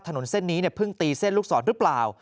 ถนนเส้นนี้เพิ่งตีเส้นลูกศรหรือเปล่า